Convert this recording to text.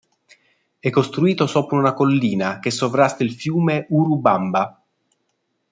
È costruito sopra una collina che sovrasta il fiume Urubamba.